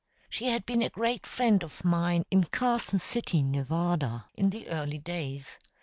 She had been a great friend of mine in Carson City, Nevada, in the early days.